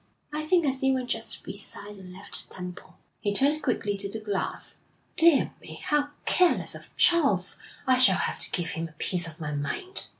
'I think I see one just beside the left temple.' He turned quickly to the glass. 'Dear me, how careless of Charles! I shall have to give him a piece of my mind.'